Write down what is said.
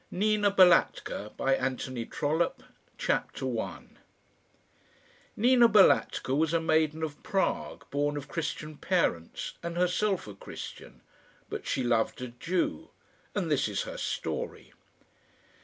NINA BALATKA VOLUME I CHAPTER I Nina Balatka was a maiden of Prague, born of Christian parents, and herself a Christian but she loved a Jew; and this is her story.